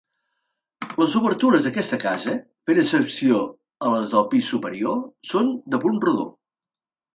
Les obertures d'aquesta casa, fent excepció a les del pis superior, són de punt rodó.